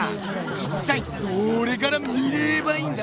いったいどれから見ればいいんだ？